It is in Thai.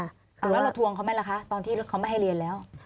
แล้วเราทวงเขาไหมล่ะคะตอนที่เขาไม่ให้เรียนแล้ว